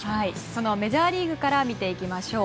そのメジャーリーグから見ていきましょう。